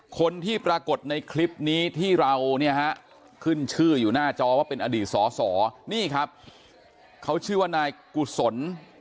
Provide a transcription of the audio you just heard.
คนที่ปรากฏในคลิปนี้ที่เราเนี่ยฮะขึ้นชื่ออยู่หน้าจอว่าเป็นอดีตสอสอนี่ครับเขาชื่อว่านายกุศล